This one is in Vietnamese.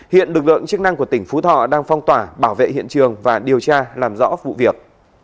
hiện lực lượng chức năng của tỉnh phú thọ đang phong tỏa bảo vệ hiện trường và điều tra làm rõ vụ việc